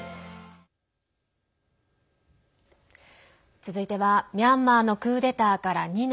続いてはミャンマーのクーデターから２年。